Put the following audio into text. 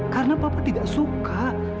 karena papa tidak suka